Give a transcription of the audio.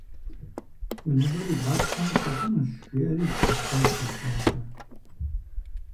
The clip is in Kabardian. - Уи ныбэр ибгъапщхьэмэ, пхуэхъунщ, - жиӏэри дыхьэшхащ и щхьэгъусэр.